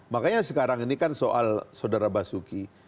makanya sekarang ini kan soal saudara basuki